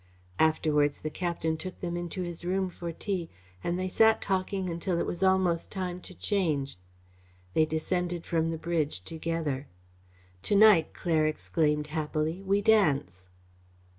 Afterwards the captain took them into his room for tea and they sat talking until it was almost time to change. They descended from the bridge together. "To night," Claire exclaimed happily, "we dance."